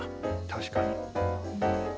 確かに。